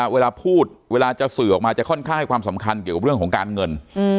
เวลาพูดเวลาจะสื่อออกมาจะค่อนข้างให้ความสำคัญเกี่ยวกับเรื่องของการเงิน